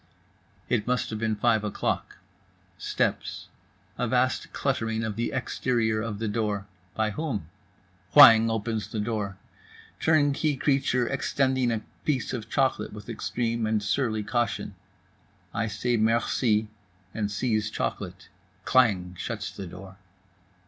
It must have been five o'clock. Steps. A vast cluttering of the exterior of the door—by whom? Whang opens the door. Turnkey creature extending a piece of chocolate with extreme and surly caution. I say "Merci" and seize chocolate. Klang shuts the door.